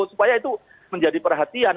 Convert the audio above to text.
supaya itu menjadi perhatian